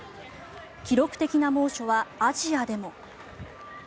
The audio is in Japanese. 記録的な猛暑は、アジアでも。